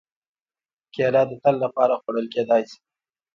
کېله د تل لپاره خوړل کېدای شي.